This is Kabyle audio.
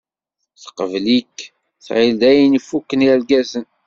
Teqbel-ik, tɣill dayen fukken irgazen.